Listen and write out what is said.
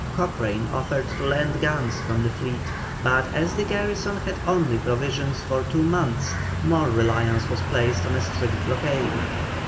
Cochrane offered to land guns from the fleet, but as the garrison had only provisions for two months, more reliance was placed on a strict blockade.